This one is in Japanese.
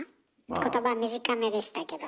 言葉短めでしたけども。